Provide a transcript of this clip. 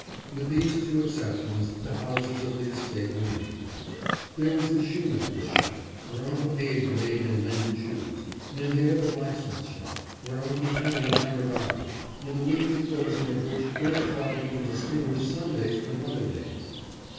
With these two exceptions the houses of the estate remained. There was the shoemaker's shop, where Uncle Abe made and mended shoes ; and there the blacksmith's shop, where Uncle Tony hammered iron, and the weekly closing of which first taught me to THE BURIAL GROUND OF CENTURIES. 543 distinguish Sundays from other days.